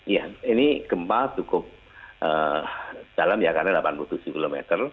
ya ini gempa cukup dalam ya karena delapan puluh tujuh km